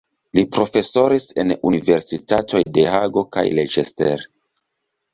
Li profesoris en universitatoj de Hago kaj Leicester.